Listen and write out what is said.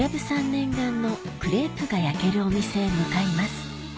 念願のクレープが焼けるお店へ向かいます